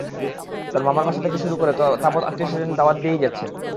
তার মামার বাসা থেকে শুরু করে তাবৎ আত্মীয়স্বজন দাওয়াত দিয়েই যাচ্ছেন।